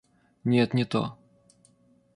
Нет, не то.